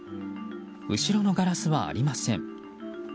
後ろのガラスはありません。